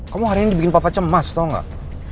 kamu hari ini bikin papa cemas tau gak